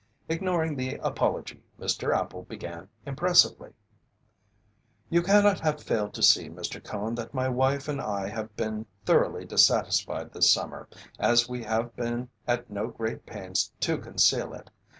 Ignoring the apology, Mr. Appel began impressively: "You cannot have failed to see, Mr. Cone, that my wife and I have been thoroughly dissatisfied this summer, as we have been at no great pains to conceal it.